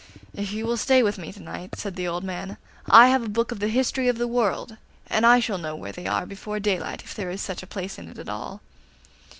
'If you will stay with me to night,' said the old man, 'I have a book of the history of the world, and I shall know where they are before daylight, if there is such a place in it at all.